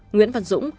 nguyễn văn dũng